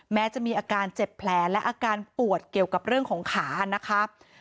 แม้จะมีอาการเจ็บแผลและอาการปวดเกี่ยวกับเรื่องของขานะคะ